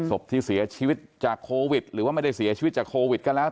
ศพที่เสียชีวิตจากโควิดหรือว่าไม่ได้เสียชีวิตจากโควิดก็แล้ว